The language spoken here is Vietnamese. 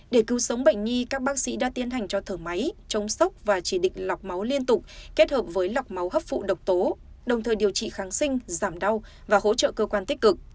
để cứu sống bệnh nhi các bác sĩ đã tiến hành cho thở máy chống sốc và chỉ định lọc máu liên tục kết hợp với lọc máu hấp phụ độc tố đồng thời điều trị kháng sinh giảm đau và hỗ trợ cơ quan tích cực